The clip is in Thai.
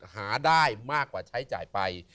หาได้มากกว่าใช้จ่ายไป